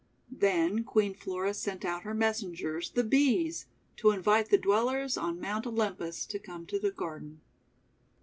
Then Queen Flora sent out her messengers the Bees, to invite the Dwellers on Mount Olynipus to come to the garden.